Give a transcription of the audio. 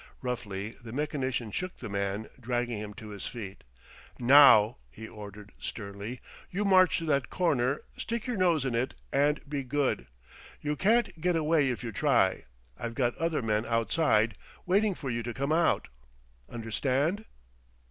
Roughly the mechanician shook the man, dragging him to his feet. "Now," he ordered sternly, "you march to that corner, stick your nose in it, and be good! You can't get away if you try. I've got other men outside, waiting for you to come out. Understand?"